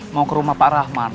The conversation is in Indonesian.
mau ke rumah pak rahman